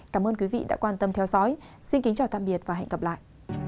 cảm ơn quý vị đã quan tâm theo dõi xin kính chào tạm biệt và hẹn gặp lại